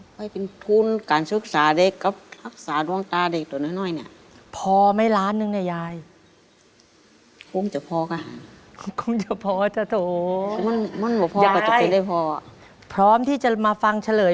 ไปเป็นทุนการศึกษาเด็กกับหักษารวงตาเด็กต่อน้อยน้อย